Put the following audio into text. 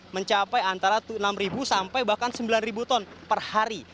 mencapai antara enam sampai bahkan sembilan ton per hari